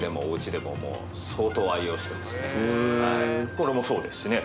これもそうですしね